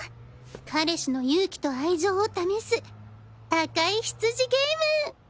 彼氏の勇気と愛情を試す赤いヒツジゲーム！